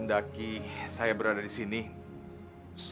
tidak akan melewati kemondikan